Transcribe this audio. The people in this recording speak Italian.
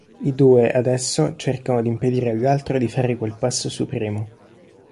I due, adesso, cercano di impedire all'altro di fare quel passo supremo.